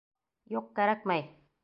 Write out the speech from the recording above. Юҡ, кәрәкмәй!